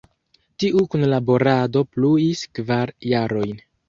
Tiu kunlaborado pluis kvar jarojn.